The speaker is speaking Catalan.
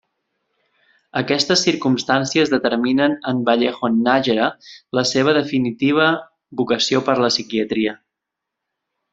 Aquestes circumstàncies determinen en Vallejo-Nájera la seva definitiva vocació per la Psiquiatria.